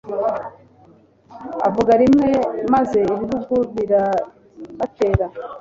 Avuga rimwe maze ibibugu birabatera